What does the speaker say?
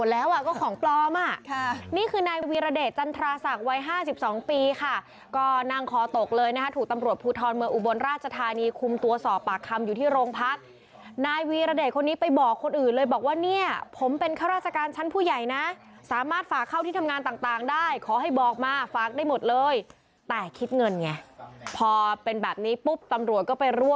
แล้วก็ของปลอมอ่ะค่ะนี่คือนายวีรเดชจันทราศักดิ์วัย๕๒ปีค่ะก็นั่งคอตกเลยนะคะถูกตำรวจภูทรเมืองอุบลราชธานีคุมตัวสอบปากคำอยู่ที่โรงพักนายวีรเดชคนนี้ไปบอกคนอื่นเลยบอกว่าเนี่ยผมเป็นข้าราชการชั้นผู้ใหญ่นะสามารถฝากเข้าที่ทำงานต่างได้ขอให้บอกมาฝากได้หมดเลยแต่คิดเงินไงพอเป็นแบบนี้ปุ๊บตำรวจก็ไปรั่